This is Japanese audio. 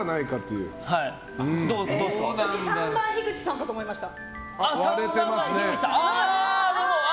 うち、３番樋口さんだと思いました。